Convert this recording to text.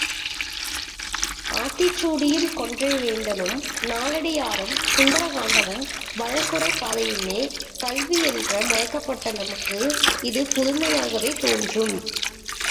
ஆத்திசூடியும், கொன்றைவேத்தனும், நாலடியாரும், சுந்தர காண்டமும், வழக்குரை காதையுமே கல்வி என்ற மயக்கப்பட்ட நமக்கு, இது புதுமையாகவே தோன்றும்.